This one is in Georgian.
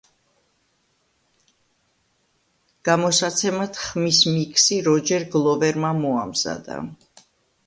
გამოსაცემად ხმის მიქსი როჯერ გლოვერმა მოამზადა.